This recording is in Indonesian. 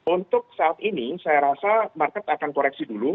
untuk saat ini saya rasa market akan koreksi dulu